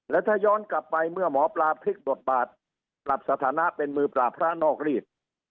และถ้าย้อนกลับไปเมื่อหมอปลาพลิกบทบาทปรับสถานะเป็นมือปราบพระนอกรีด